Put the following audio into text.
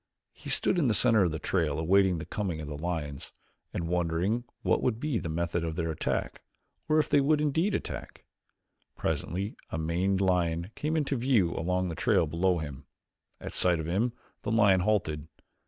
He stood in the center of the trail awaiting the coming of the lions and wondering what would be the method of their attack or if they would indeed attack. Presently a maned lion came into view along the trail below him. At sight of him the lion halted.